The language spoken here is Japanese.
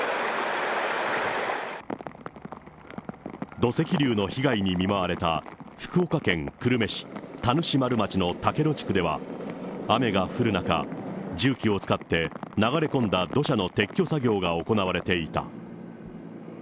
土石流の被害に見舞われた福岡県久留米市田主丸町の竹野地区では、雨が降る中、重機を使って流れ込んだ土砂の撤去作業が行われていた。